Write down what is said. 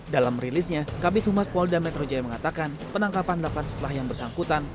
dalam rilisnya kabit humas polda metro jaya mengatakan penangkapan dilakukan setelah yang bersangkutan